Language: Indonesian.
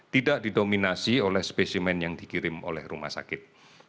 tidak didominasi oleh spesimen yang dikirim oleh rumah sakit